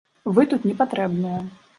Вы тут не патрэбныя!